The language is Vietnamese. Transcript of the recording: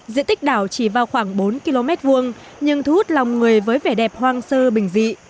diện tích đảo chỉ vào khoảng bốn km hai nhưng thu hút lòng người với vẻ đẹp hoang sơ bình dị